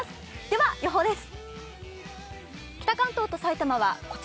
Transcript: では、予報です。